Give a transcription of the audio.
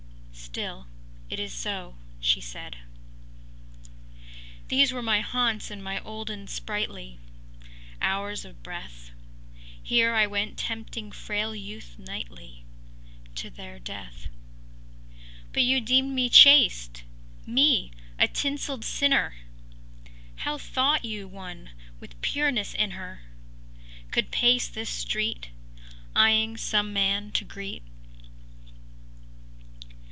” “Still, it is so,” she said. “These were my haunts in my olden sprightly Hours of breath; Here I went tempting frail youth nightly To their death; But you deemed me chaste—me, a tinselled sinner! How thought you one with pureness in her Could pace this street Eyeing some man to greet?